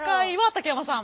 竹山さん。